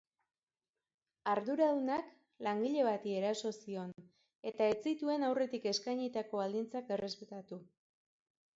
Arduradunak langile bati eraso zion eta ez zituen aurretik eskainitako baldintzak errespetatu.